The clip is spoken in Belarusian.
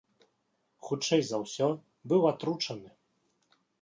Хутчэй за ўсё, быў атручаны.